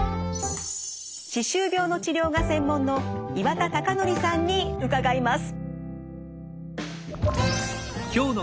歯周病の治療が専門の岩田隆紀さんに伺います。